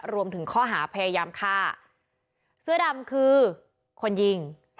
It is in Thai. รวมถึงข้อหาพยายามฆ่าเสื้อดำคือคนยิง